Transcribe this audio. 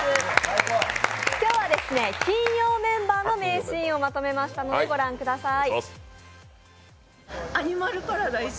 今日は金曜メンバーの名シーンをまとめました、ご覧ください。